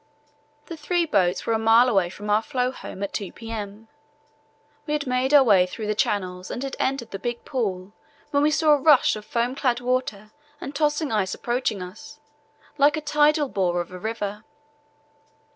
The three boats were a mile away from our floe home at 2 p.m. We had made our way through the channels and had entered the big pool when we saw a rush of foam clad water and tossing ice approaching us, like the tidal bore of a river.